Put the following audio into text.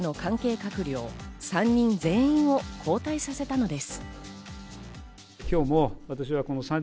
閣僚３人全員を交代させたのです。